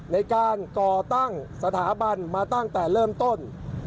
ในการก่อตั้งสถาบันมาตั้งแต่เริ่มต้น